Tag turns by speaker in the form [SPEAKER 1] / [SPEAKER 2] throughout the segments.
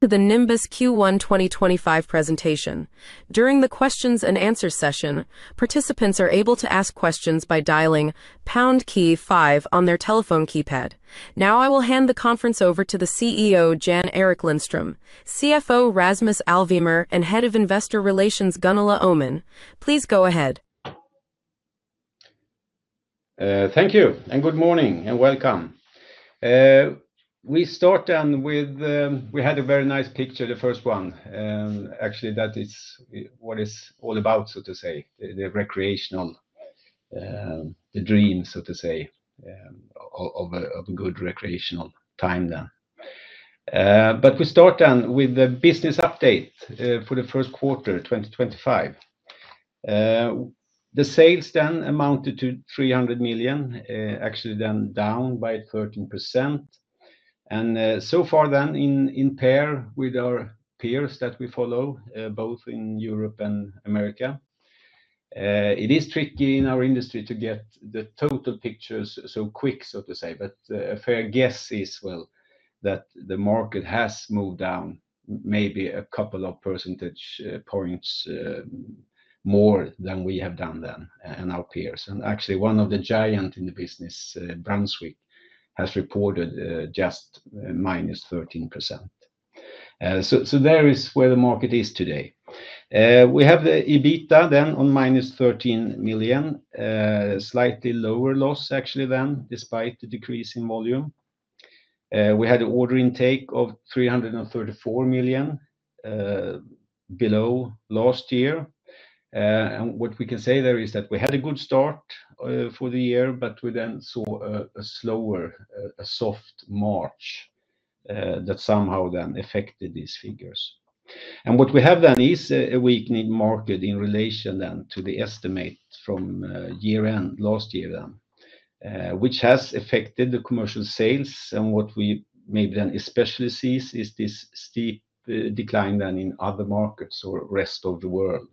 [SPEAKER 1] To the Nimbus Q1 2025 presentation. During the Q&A session, participants are able to ask questions by dialing pound key five on their telephone keypad. Now I will hand the conference over to the CEO, Jan-Erik Lindström, CFO Rasmus Alvemyr, and Head of Investor Relations Gunilla Öhman. Please go ahead.
[SPEAKER 2] Thank you, and good morning, and welcome. We start then with the, we had a very nice picture, the first one. Actually, that is what it's all about, so to say, the recreational, the dream, so to say, of a good recreational time then. We start then with the business update for the first quarter 2025. The sales then amounted to 300 million, actually then down by 13%. So far then in pair with our peers that we follow, both in Europe and America. It is tricky in our industry to get the total pictures so quick, so to say, but a fair guess is, well, that the market has moved down maybe a couple of percentage points more than we have done then and our peers. Actually, one of the giants in the business, Brunswick, has reported just -13%. There is where the market is today. We have the EBITDA then on minus 13 million, slightly lower loss actually then despite the decrease in volume. We had an order intake of 334 million below last year. What we can say there is that we had a good start for the year, but we then saw a slower, a soft March that somehow then affected these figures. What we have then is a weakening market in relation then to the estimate from year-end last year then, which has affected the commercial sales. What we maybe then especially see is this steep decline then in other markets or rest of the world.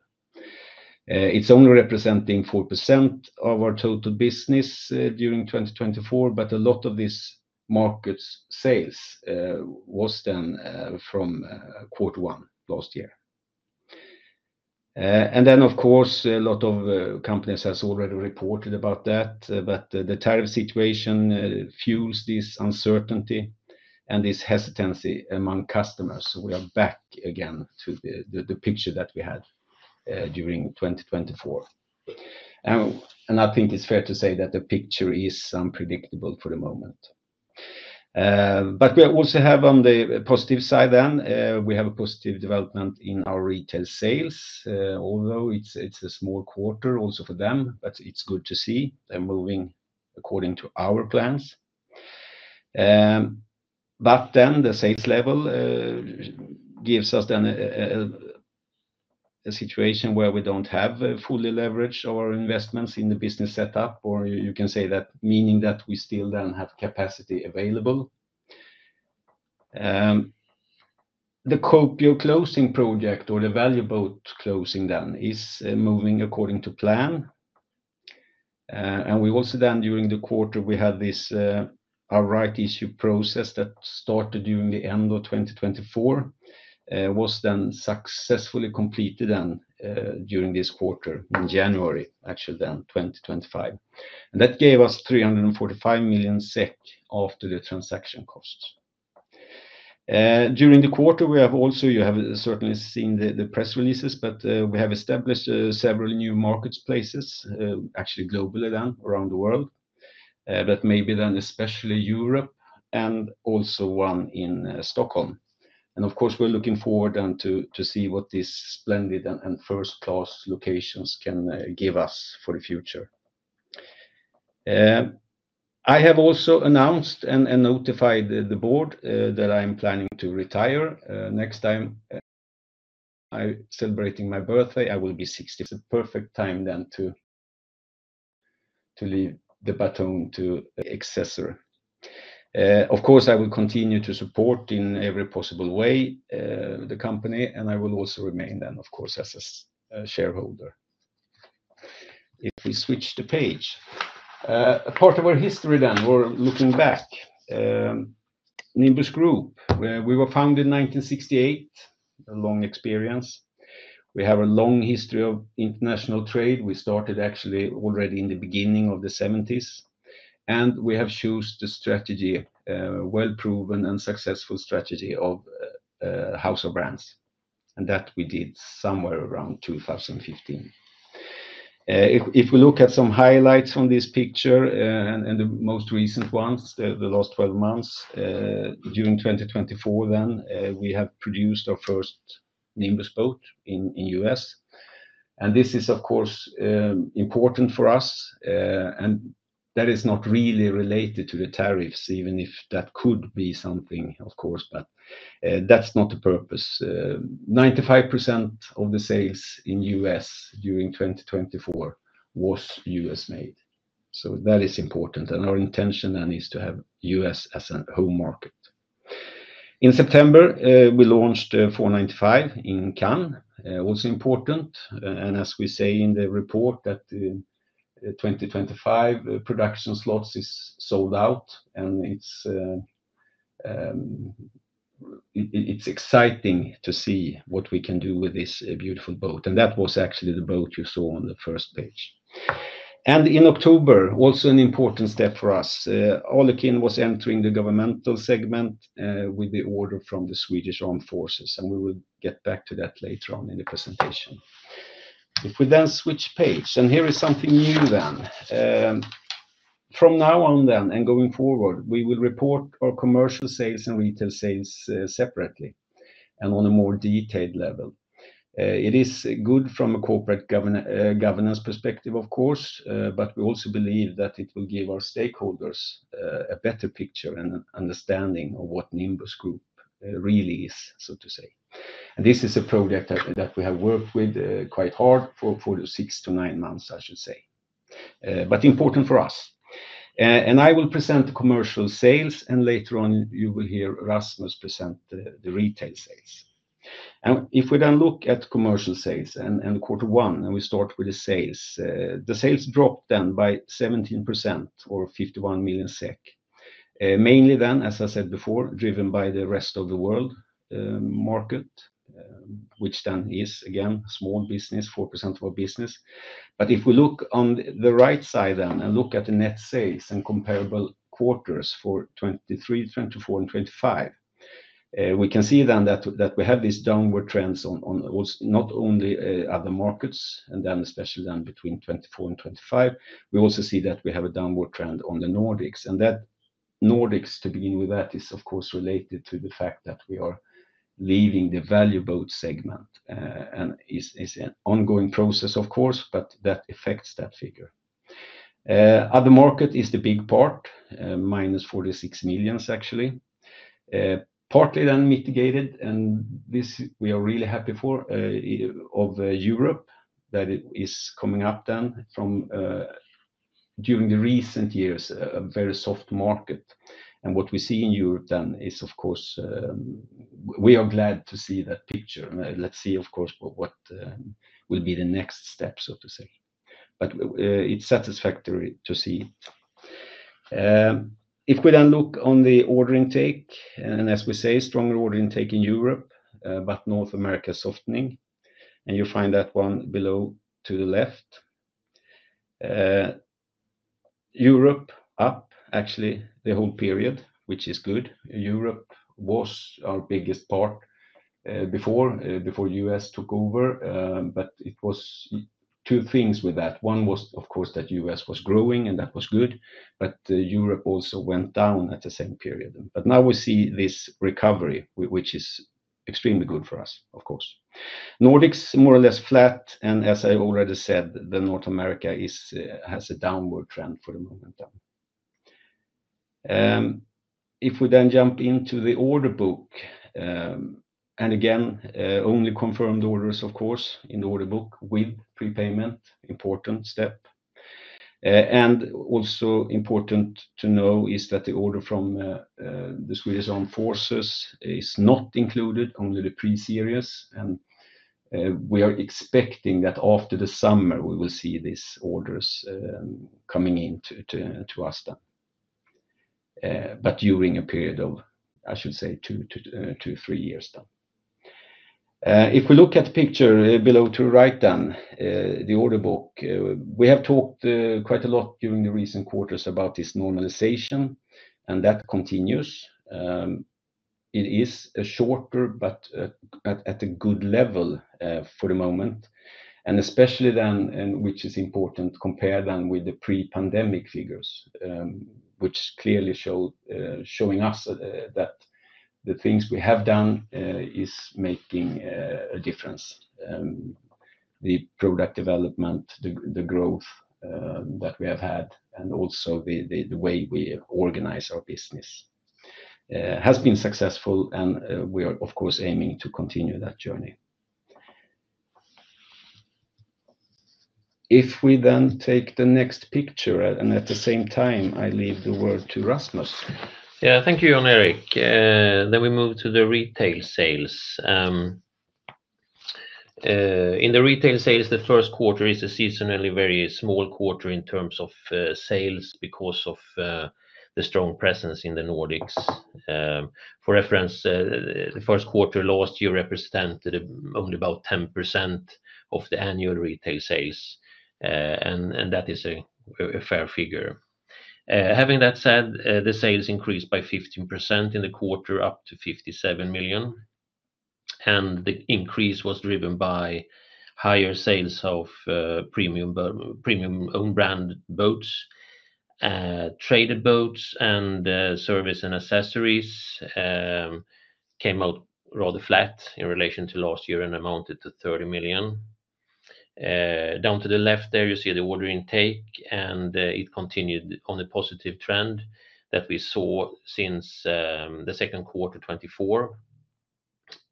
[SPEAKER 2] It is only representing 4% of our total business during 2024, but a lot of these markets' sales was then from quarter one last year. Of course, a lot of companies have already reported about that, but the tariff situation fuels this uncertainty and this hesitancy among customers. We are back again to the picture that we had during 2024. I think it's fair to say that the picture is unpredictable for the moment. We also have on the positive side, we have a positive development in our retail sales, although it's a small quarter also for them, but it's good to see they're moving according to our plans. The sales level gives us a situation where we don't have fully leveraged our investments in the business setup, or you can say that meaning that we still have capacity available. The Kuopio closing project or the ValueBoat closing is moving according to plan. We also then during the quarter had this our rights issue process that started during the end of 2024, was then successfully completed during this quarter in January, actually then 2025. That gave us 345 million SEK after the transaction costs. During the quarter, we have also, you have certainly seen the press releases, but we have established several new marketplaces, actually globally then around the world, but maybe then especially Europe and also one in Stockholm. Of course, we're looking forward then to see what these splendid and first-class locations can give us for the future. I have also announced and notified the board that I'm planning to retire next time. I'm celebrating my birthday. I will be 60. It's a perfect time then to leave the baton to the successor. Of course, I will continue to support in every possible way the company, and I will also remain then, of course, as a shareholder. If we switch the page, a part of our history then, we're looking back. Nimbus Group, we were founded in 1968, a long experience. We have a long history of international trade. We started actually already in the beginning of the 1970s. We have chosen the strategy, a well-proven and successful strategy of House of Brands. That we did somewhere around 2015. If we look at some highlights on this picture and the most recent ones, the last 12 months, during 2024, we have produced our first Nimbus boat in the U.S. This is, of course, important for us. That is not really related to the tariffs, even if that could be something, of course, but that's not the purpose. 95% of the sales in the U.S. during 2024 was U.S.-made. That is important. Our intention then is to have U.S. as a home market. In September, we launched the 495 in Cannes. Also important. As we say in the report, the 2025 production slots is sold out. It is exciting to see what we can do with this beautiful boat. That was actually the boat you saw on the first page. In October, also an important step for us, Alukin was entering the governmental segment with the order from the Swedish Armed Forces. We will get back to that later on in the presentation. If we then switch page, here is something new. From now on and going forward, we will report our commercial sales and retail sales separately and on a more detailed level. It is good from a corporate governance perspective, of course, but we also believe that it will give our stakeholders a better picture and an understanding of what Nimbus Group really is, so to say. This is a project that we have worked with quite hard for the past six to nine months, I should say. Important for us. I will present the commercial sales, and later on, you will hear Rasmus present the retail sales. If we then look at commercial sales and quarter one, and we start with the sales, the sales dropped by 17% or 51 million SEK. Mainly, as I said before, driven by the rest of the world market, which is, again, small business, 4% of our business. If we look on the right side then and look at the net sales and comparable quarters for 2023, 2024, and 2025, we can see then that we have these downward trends on not only other markets, and then especially then between 2024 and 2025. We also see that we have a downward trend on the Nordics. And that Nordics, to begin with, that is, of course, related to the fact that we are leaving the ValueBoat segment. And it's an ongoing process, of course, but that affects that figure. Other market is the big part, minus 46 million, actually. Partly then mitigated, and this we are really happy for, of Europe, that is coming up then from during the recent years, a very soft market. And what we see in Europe then is, of course, we are glad to see that picture. Let's see, of course, what will be the next step, so to say. It is satisfactory to see. If we then look on the order intake, and as we say, stronger order intake in Europe, but North America softening. You find that one below to the left. Europe up, actually, the whole period, which is good. Europe was our biggest part before U.S. took over, but it was two things with that. One was, of course, that U.S. was growing, and that was good, but Europe also went down at the same period. Now we see this recovery, which is extremely good for us, of course. Nordics more or less flat, and as I already said, North America has a downward trend for the moment then. If we then jump into the order book, and again, only confirmed orders, of course, in the order book with prepayment, important step. Also important to know is that the order from the Swedish Armed Forces is not included under the pre-series. We are expecting that after the summer, we will see these orders coming in to us then, during a period of, I should say, two to three years then. If we look at the picture below to the right then, the order book, we have talked quite a lot during the recent quarters about this normalization, and that continues. It is shorter, but at a good level for the moment. Especially then, which is important, compared then with the pre-pandemic figures, which clearly showing us that the things we have done is making a difference. The product development, the growth that we have had, and also the way we organize our business has been successful, and we are, of course, aiming to continue that journey. If we then take the next picture, and at the same time, I leave the word to Rasmus.
[SPEAKER 3] Yeah, thank you, Jan-Erik. We move to the retail sales. In the retail sales, the first quarter is a seasonally very small quarter in terms of sales because of the strong presence in the Nordics. For reference, the first quarter last year represented only about 10% of the annual retail sales, and that is a fair figure. Having that said, the sales increased by 15% in the quarter up to 57 million. The increase was driven by higher sales of premium owned brand boats, traded boats, and service and accessories came out rather flat in relation to last year and amounted to 30 million. Down to the left there, you see the order intake, and it continued on a positive trend that we saw since the second quarter 2024.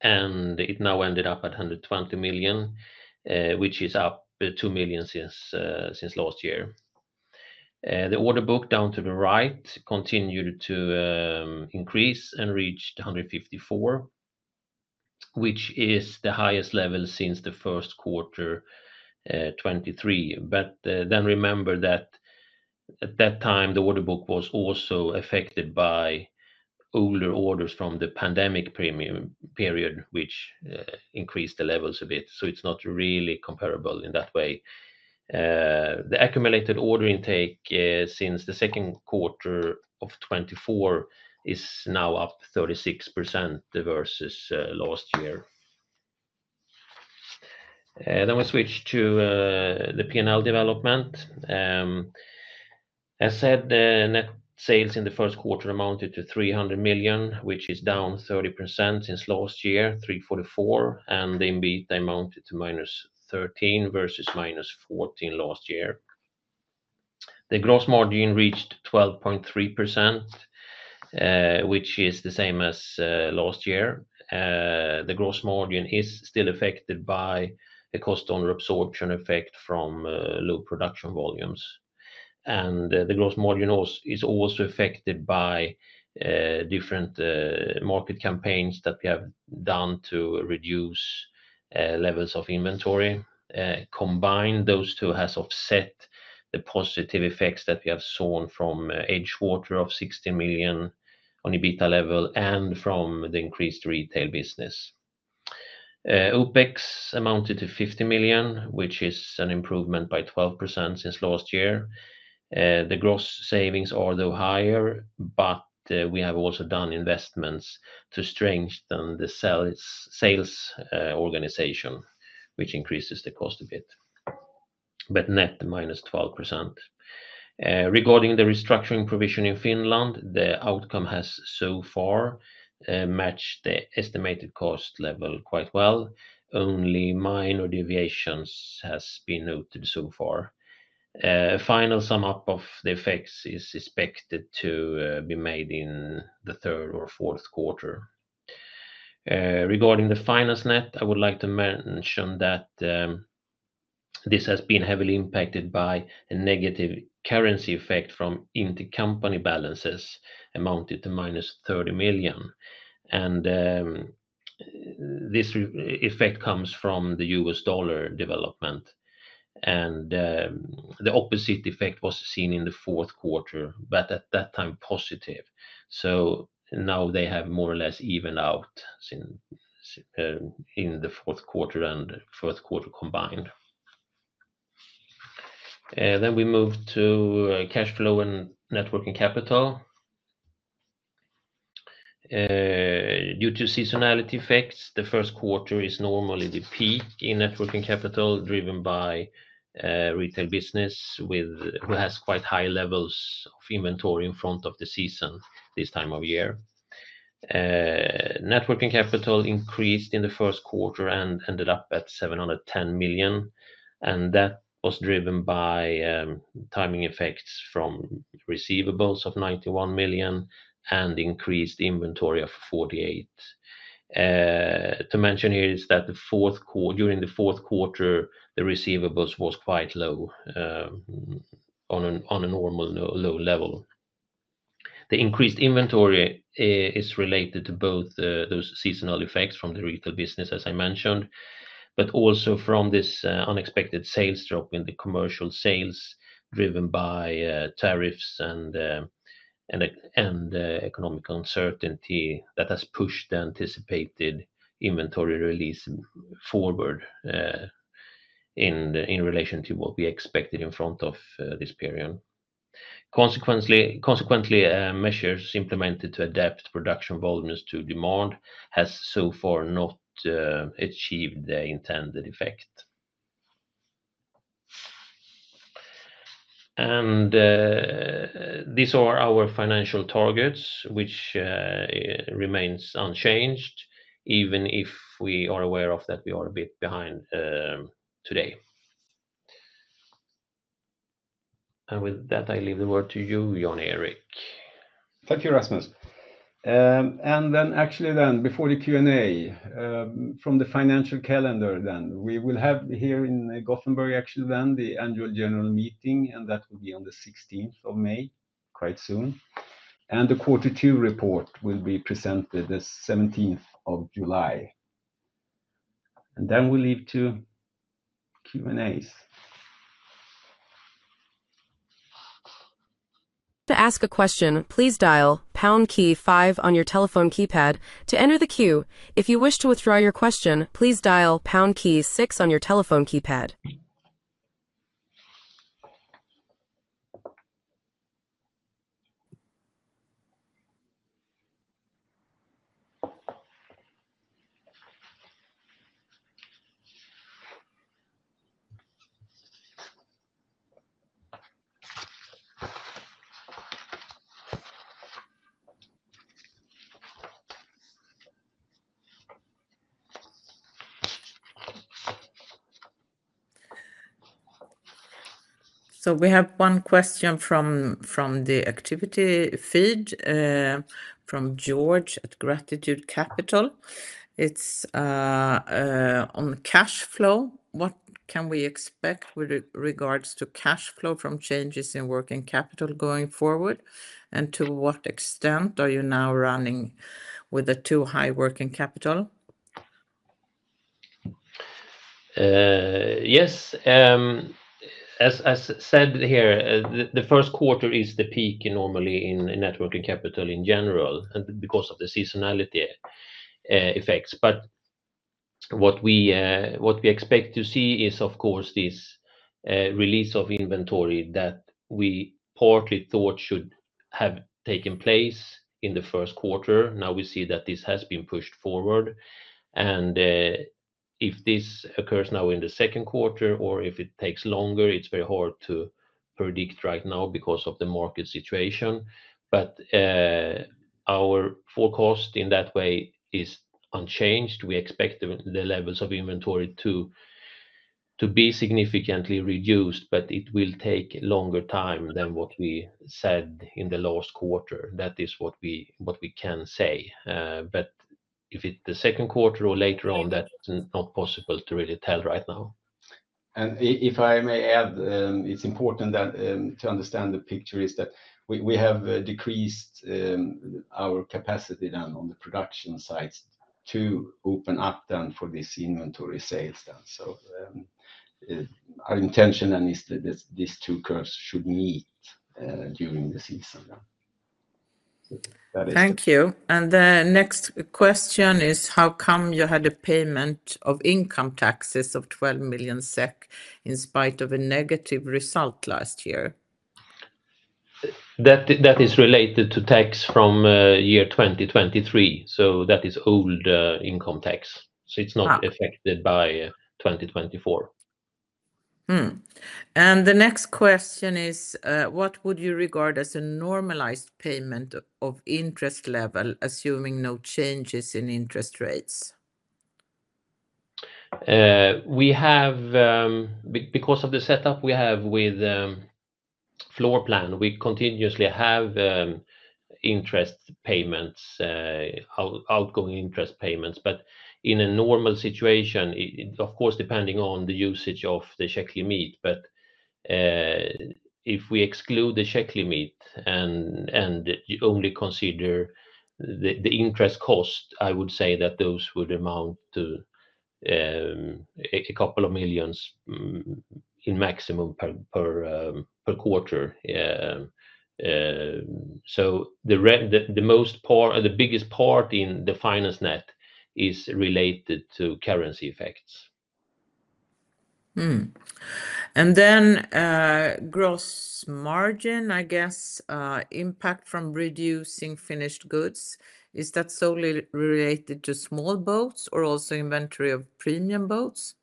[SPEAKER 3] It now ended up at 120 million, which is up 2 million since last year. The order book down to the right continued to increase and reached 154, which is the highest level since the first quarter 2023. Remember that at that time, the order book was also affected by older orders from the pandemic period, which increased the levels a bit. It is not really comparable in that way. The accumulated order intake since the second quarter of 2024 is now up 36% versus last year. We switch to the P&L development. As said, net sales in the first quarter amounted to 300 million, which is down 30% since last year, 344 million, and indeed they amounted to minus 13 million versus minus 14 million last year. The gross margin reached 12.3%, which is the same as last year. The gross margin is still affected by the cost under-absorption effect from low production volumes. The gross margin is also affected by different market campaigns that we have done to reduce levels of inventory. Combined, those two have offset the positive effects that we have seen from each quarter of 16 million on EBITDA level and from the increased retail business. OPEX amounted to 50 million, which is an improvement by 12% since last year. The gross savings are though higher, but we have also done investments to strengthen the sales organization, which increases the cost a bit. Net, minus 12%. Regarding the restructuring provision in Finland, the outcome has so far matched the estimated cost level quite well. Only minor deviations have been noted so far. A final sum up of the effects is expected to be made in the third or fourth quarter. Regarding the finance net, I would like to mention that this has been heavily impacted by a negative currency effect from intercompany balances amounted to -30 million. This effect comes from the U.S. dollar development. The opposite effect was seen in the fourth quarter, but at that time positive. They have more or less evened out in the fourth quarter and fourth quarter combined. We move to cash flow and net working capital. Due to seasonality effects, the first quarter is normally the peak in net working capital driven by retail business, which has quite high levels of inventory in front of the season this time of year. Networking capital increased in the first quarter and ended up at 710 million. That was driven by timing effects from receivables of 91 million and increased inventory of 48 million. To mention here is that during the fourth quarter, the receivables was quite low on a normal low level. The increased inventory is related to both those seasonal effects from the retail business, as I mentioned, but also from this unexpected sales drop in the commercial sales driven by tariffs and economic uncertainty that has pushed the anticipated inventory release forward in relation to what we expected in front of this period. Consequently, measures implemented to adapt production volumes to demand have so far not achieved the intended effect. These are our financial targets, which remains unchanged, even if we are aware of that we are a bit behind today. With that, I leave the word to you, Jan-Erik.
[SPEAKER 2] Thank you, Rasmus. Actually, before the Q&A, from the financial calendar, we will have here in Gothenburg, actually the annual general meeting, and that will be on the 16th of May, quite soon. The quarter two report will be presented the 17th of July. Then we'll leave to Q&As.
[SPEAKER 1] To ask a question, please dial pound key five on your telephone keypad to enter the queue. If you wish to withdraw your question, please dial pound key six on your telephone keypad.
[SPEAKER 4] We have one question from the activity feed from George at Gratitude Capital. It's on cash flow. What can we expect with regards to cash flow from changes in working capital going forward? To what extent are you now running with the too high working capital?
[SPEAKER 3] Yes. As I said here, the first quarter is the peak normally in working capital in general because of the seasonality effects. What we expect to see is, of course, this release of inventory that we partly thought should have taken place in the first quarter. Now we see that this has been pushed forward. If this occurs now in the second quarter or if it takes longer, it's very hard to predict right now because of the market situation. Our forecast in that way is unchanged. We expect the levels of inventory to be significantly reduced, but it will take longer time than what we said in the last quarter. That is what we can say. If it's the second quarter or later on, that's not possible to really tell right now.
[SPEAKER 2] If I may add, it's important to understand the picture is that we have decreased our capacity then on the production sides to open up then for this inventory sales then. Our intention then is that these two curves should meet during the season then.
[SPEAKER 4] Thank you. The next question is how come you had a payment of income taxes of 12 million SEK in spite of a negative result last year?
[SPEAKER 3] That is related to tax from year 2023. That is old income tax. It is not affected by 2024.
[SPEAKER 4] The next question is what would you regard as a normalized payment of interest level, assuming no changes in interest rates?
[SPEAKER 3] Because of the setup we have with floor plan, we continuously have interest payments, outgoing interest payments. In a normal situation, of course, depending on the usage of the check limit. If we exclude the check limit and only consider the interest cost, I would say that those would amount to a couple of millions in maximum per quarter. The biggest part in the finance net is related to currency effects.
[SPEAKER 4] Gross margin, I guess, impact from reducing finished goods. Is that solely related to small boats or also inventory of premium boats?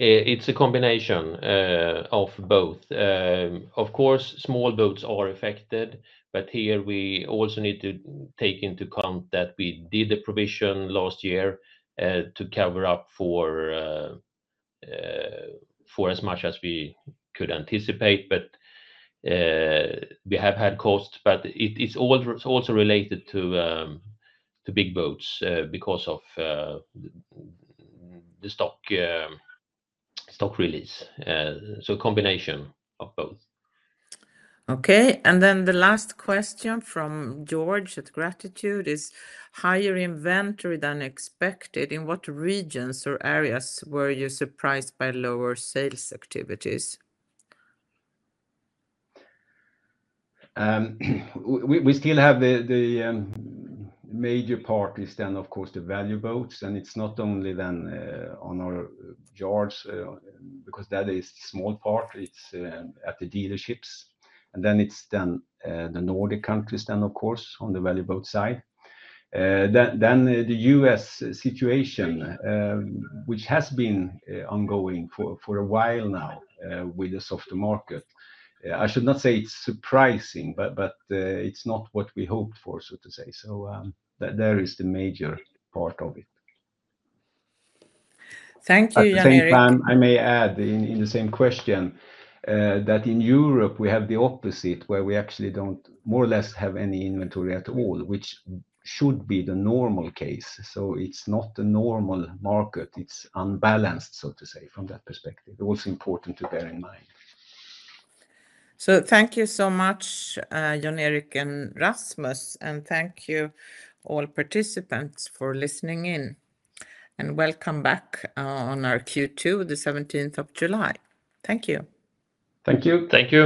[SPEAKER 3] It's a combination of both. Of course, small boats are affected, but here we also need to take into account that we did a provision last year to cover up for as much as we could anticipate, but we have had costs. It's also related to big boats because of the stock release. A combination of both.
[SPEAKER 4] Okay. The last question from George at Gratitude is, higher inventory than expected. In what regions or areas were you surprised by lower sales activities?
[SPEAKER 2] We still have the major parties then, of course, the ValueBoat. And it's not only then on our yards because that is a small part. It's at the dealerships. And then it's then the Nordics then, of course, on the ValueBoat side. Then the U.S. situation, which has been ongoing for a while now with the soft market. I should not say it's surprising, but it's not what we hoped for, so to say. So there is the major part of it.
[SPEAKER 4] Thank you, Jan-Erik.
[SPEAKER 3] At the same time, I may add in the same question that in Europe, we have the opposite where we actually do not more or less have any inventory at all, which should be the normal case. It is not a normal market. It is unbalanced, so to say, from that perspective. It was important to bear in mind.
[SPEAKER 4] Thank you so much, Jan-Erik and Rasmus. Thank you all participants for listening in. Welcome back on our Q2, the 17th of July. Thank you.
[SPEAKER 3] Thank you.
[SPEAKER 2] Thank you.